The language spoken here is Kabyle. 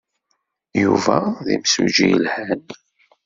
Yuba d imsujji yelhan.